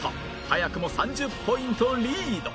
早くも３０ポイントリード